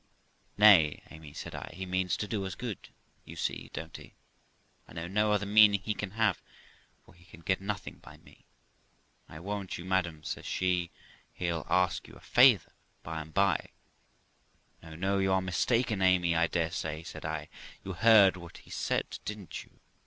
'Nay, Amy', said I, 'he means to do us good, you see, don't he ? I know no other meaning he can have, for he can get nothing by me.' 'I warrant you, madam', says she, 'he'll ask you a favour by and by.' 'No, no, you are mistaken, Amy, I dare say', said I; 'you have heard what he said, didn't you?'